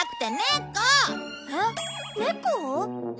えっ猫？